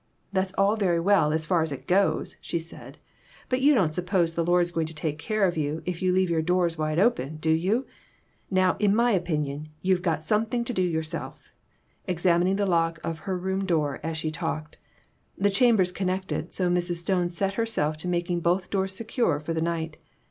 "That's all very well, as far as it goes," she said; "but you don't s'pose the Lord's going to take care of you if you leave your doors wide open, do you ? Now, in my opinion, you've got something to do yourself," examining the lock of her room door as she talked. The chambers connected, so Mrs. Stone set herself to making both doors secure for the night.